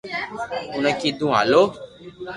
اوڻي ڪيڌو ھالو